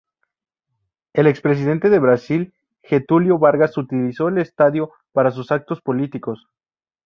El expresidente del Brasil, Getúlio Vargas utilizó el estadio para sus actos políticos.